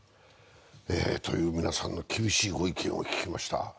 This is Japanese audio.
皆さんの厳しいご意見を聞きました。